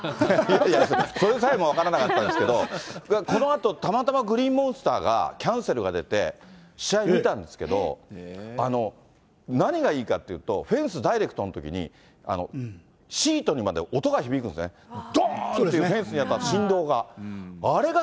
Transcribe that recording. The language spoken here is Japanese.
それさえも分からなかったですけれども、このあと、たまたまグリーンモンスターがキャンセルが出て、試合見たんですけれども、何がいいかっていうと、フェンスダイレクトのときにシートにまで音が響くんですね、どーんってフェンスに当たって、振動が。